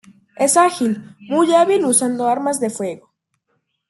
Es ágil, muy hábil usando armas de fuego.